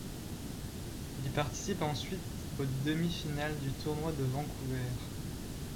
Il participe ensuite aux demi-finales du tournoi de Vancouver.